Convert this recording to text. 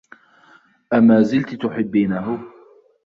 أمازلتِ تُحبّينه؟